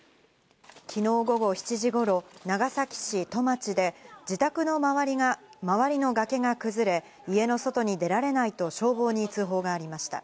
昨日午後７時頃、長崎市戸町で住宅の周りの崖が崩れ家の外に出られないと消防に通報がありました。